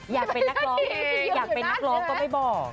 อยากเป็นนักร้องอยากเป็นนักร้องก็ไม่บอก